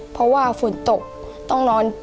เพราะว่าฝนตกต้องนอน